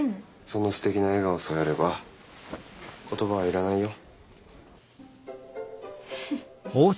そのすてきな笑顔さえあれば言葉はいらないよ。